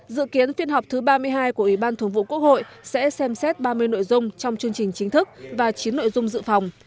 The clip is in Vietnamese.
dự kiến phiên họp thứ ba mươi hai của ủy ban thường vụ quốc hội sẽ xem xét ba mươi nội dung trong chương trình chính thức và chín nội dung dự phòng